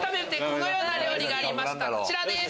こちらです。